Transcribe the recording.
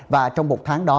và trong một tháng đó